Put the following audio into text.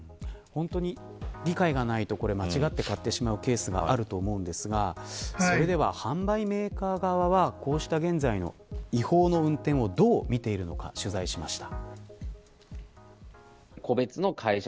理解がないと間違って買ってしまうケースがあると思うんですがそれでは、販売メーカー側はこうした現在の違法の運転をどう見ているのか取材しました。